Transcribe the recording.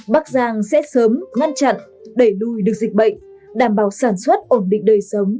bắc giang sẽ sớm ngăn chặn đẩy lùi được dịch bệnh đảm bảo sản xuất ổn định đời sống